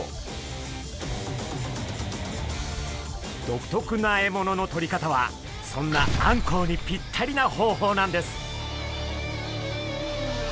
独特な獲物のとり方はそんなあんこうにぴったりな方法なんです。